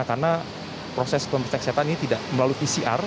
karena proses pemirsa kesehatan ini tidak melalui pcr